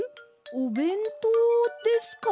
おべんとうですか？